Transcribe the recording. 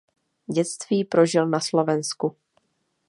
Dětství prožil na Slovensku.